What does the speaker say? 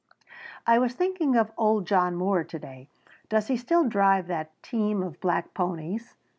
"I was thinking of old John Moore to day does he still drive that team of black ponies?"